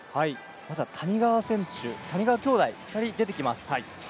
まずは谷川兄弟２人出てきます。